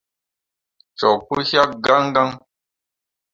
Cok pu yak gãn gãn.